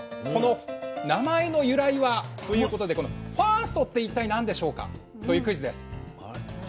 この名前の由来はということでこのファーストって一体何でしょうかというクイズです。